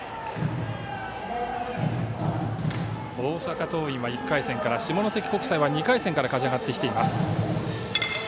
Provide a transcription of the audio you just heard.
大阪桐蔭は１回戦から下関国際は２回戦から勝ち上がってきています。